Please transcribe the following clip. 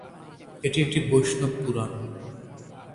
এটি একটি বৈষ্ণব পুরাণ।